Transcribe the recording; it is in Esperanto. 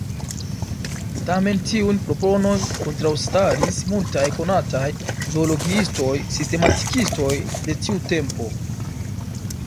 Tamen, tiun proponon kontraŭstaris multaj konataj zoologiistoj-sistematikistoj de tiu tempo.